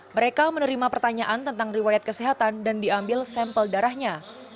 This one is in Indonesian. mereka menerima pertanyaan tentang riwayat kesehatan dan diambil sampel darahnya